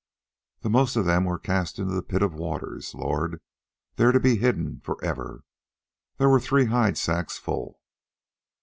"The most of them were cast into the pit of waters, lord, there to be hidden for ever. There were three hide sacks full."